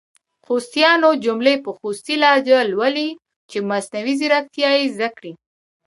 خوستیانو جملي په خوستې لهجه لولۍ چې مصنوعي ځیرکتیا یې زده کړې!